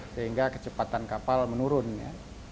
sehingga kecepatan kapal menurun ya